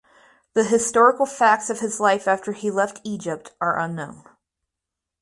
The historical facts of his life after he left Egypt are unknown.